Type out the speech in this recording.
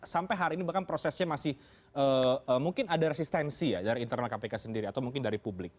sampai hari ini bahkan prosesnya masih mungkin ada resistensi ya dari internal kpk sendiri atau mungkin dari publik